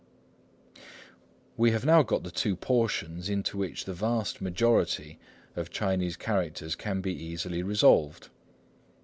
We have now got the two portions into which the vast majority of Chinese characters can be easily resolved.